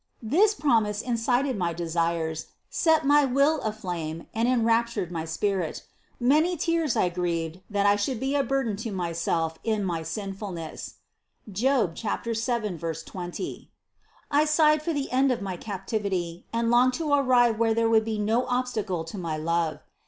8. This promise incited my desires, set my will aflame and enraptured my spirit; with many tears I grieved, that I should be a burden to myself in my sinfulness (Job. 7, 20). I sighed for the end of my captivity and longed to arrive where there would be no obstacle to my love.